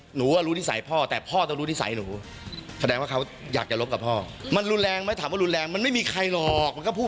หนูว่ารู้นิสัยพ่อแต่พ่อต้องรู้นิสัยหนู